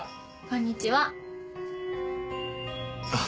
こんにちは。